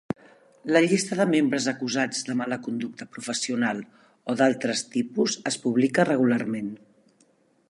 La llista de membres acusats de mala conducta professional o d'altres tipus es publica regularment.